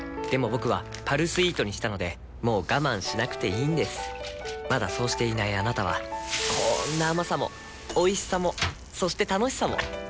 僕は「パルスイート」にしたのでもう我慢しなくていいんですまだそうしていないあなたはこんな甘さもおいしさもそして楽しさもあちっ。